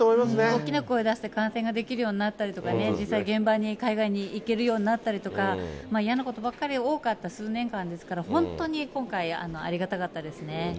大きな声出して観戦ができるようになったりとかね、実際、現場に海外に行けるようになったりとか、嫌なことばっかり多かった数年間ですから、本当に今回、ありがたかったですね。